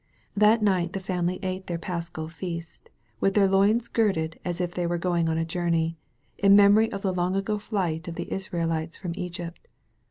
That night the family ate their Paschal feast, with their loins girded as if they were going on a journey, in memory of the long ago flight of the Israelites from Egypt.